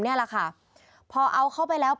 นี่แหละค่ะพอเอาเข้าไปแล้ว